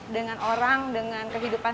dengan orang dengan